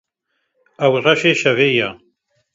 Ew reşê şevê ye.